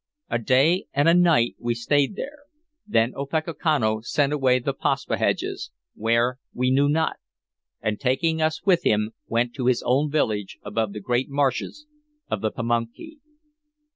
A day and a night we stayed there; then Opechancanough sent away the Paspaheghs, where we knew not, and taking us with him went to his own village above the great marshes of the Pamunkey.